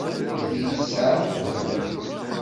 Ad iyi-tseɛfem?